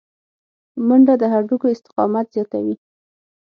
منډه د هډوکو استقامت زیاتوي